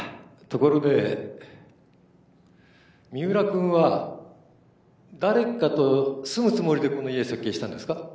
ところで三浦君は誰かと住むつもりでこの家設計したんですか？